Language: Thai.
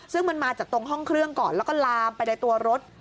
ซึ่งมันมาจากตรงห้องเครื่องก่อนแล้วก็ลามไปในตัวรถ